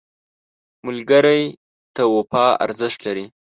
ملګری ته وفا ارزښت لري